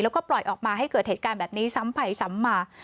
แล้วก็ปล่อยออกมาให้เกิดเหตุการณ์แบบนี้ซ้ำไปซ้ำมา